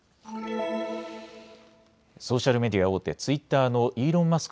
ソーシャルメディア大手、ツイッターのイーロン・マスク